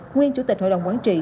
nguyên chủ tịch hội đồng quản trị